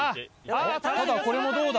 ただこれもどうだ？